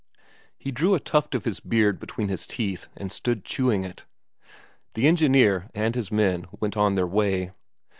He drew a tuft of his beard between his teeth and stood chewing it. The engineer and his men went on their way.